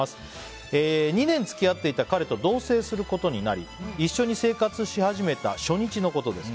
２年付き合っていた彼と同棲することになり一緒に生活し始めた初日のことです。